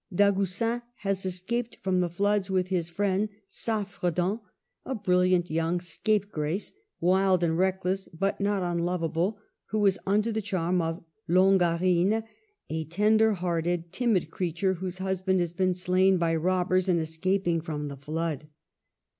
Da goucin has escaped from the floods with his friend Saffredant, a brilliant young scapegrace, wild and reckless, but not unlovable, who is under the charm of Longarine, a tender hearted, timid creature, whose husband has been slain by robbers in escaping from the flood.